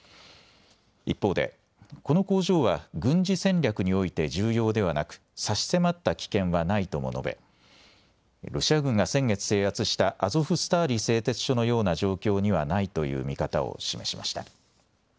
一方で、この工場は軍事戦略において重要ではなく、差し迫った危険はないとも述べ、ロシア軍が先月制圧した、アゾフスターリ製鉄所のような状況にはないという見方を示しました。